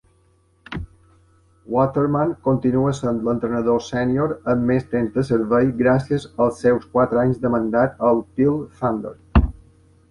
Waterman continua sent l'entrenador sènior amb més temps de servei gràcies als seus quatre anys de mandat al Peel Thunder.